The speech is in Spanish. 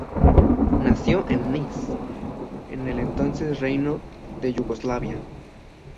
Nació en Niš en el entonces Reino de Yugoslavia.